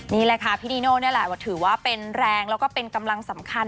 นี่แหละค่ะพี่นีโน่นี่แหละถือว่าเป็นแรงแล้วก็เป็นกำลังสำคัญ